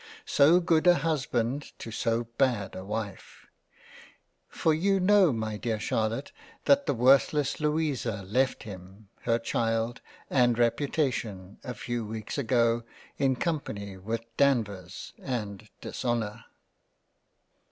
So good a Husband to so bad a Wife ! for you know my dear Charlotte that the Worthless Louisa left him, her Child and reputation a few weeks ago in company with Danvers and *dishonour.